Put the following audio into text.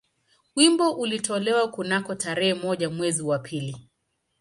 Wimbo ulitolewa kunako tarehe moja mwezi wa pili